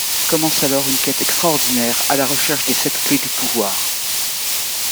Commence alors une quête extraordinaire à la recherche des sept Clés du Pouvoir.